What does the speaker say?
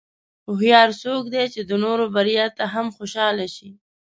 هوښیار څوک دی چې د نورو بریا ته هم خوشاله شي.